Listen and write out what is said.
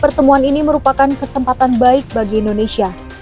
pertemuan ini merupakan kesempatan baik bagi indonesia